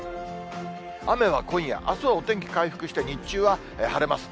雨は今夜、あすはお天気回復して日中は晴れます。